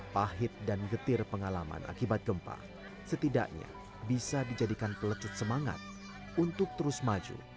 pahit dan getir pengalaman akibat gempa setidaknya bisa dijadikan pelecut semangat untuk terus maju